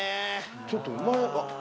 ちょっとお前。